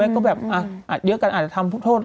ก็แบบเดี๋ยวกันอาจจะทำพต์โทษ